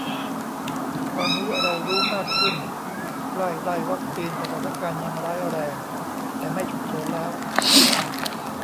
ตอนนี้เรารู้มากขึ้น ใกล้ได้วัคซีน สถานการณ์ยังร้ายแรง แต่ไม่ฉุกเฉินแล้ว